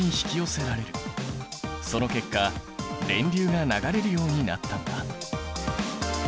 その結果電流が流れるようになったんだ。